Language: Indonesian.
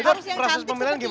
itu proses pemilihan gimana